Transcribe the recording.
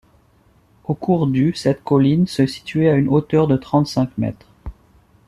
Au cours du cette colline se situait à une hauteur de trente-cinq mètres.